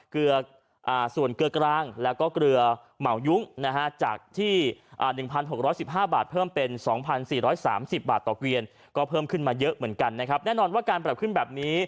เกลือส่วนเกลือกลางแล้วก็เกลือเหมายุ้งนะฮะ